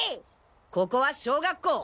ここは小学校！